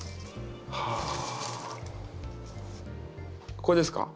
ここですか？